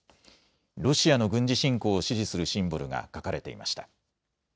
ロシアの軍事侵攻を支持するシンボルが書かれていました。